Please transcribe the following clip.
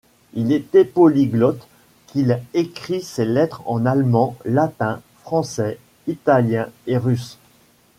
Il était polyglotte qui écrit ses lettres en allemand, latin, français, italien et russe.